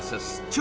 超